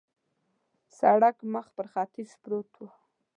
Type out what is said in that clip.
سړک مخ پر ختیځ پروت و.